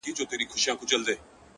د زدهکوونکو د پرمختګ